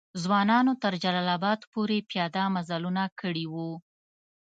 ځوانانو تر جلال آباد پوري پیاده مزلونه کړي وو.